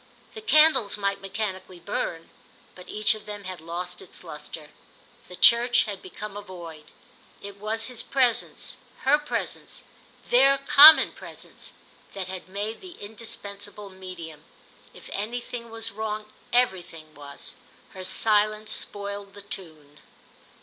The candles might mechanically burn, but each of them had lost its lustre. The church had become a void; it was his presence, her presence, their common presence, that had made the indispensable medium. If anything was wrong everything was—her silence spoiled the tune.